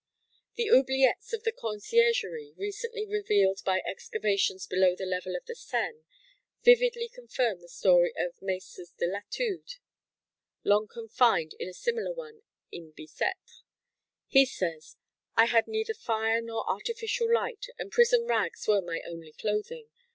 The oubliettes of the Conciergerie, recently revealed by excavations below the level of the Seine, vividly confirm the story of Masers de Latude, long confined in a similar one in Bicêtre. He says: "I had neither fire nor artificial light and prison rags were my only clothing.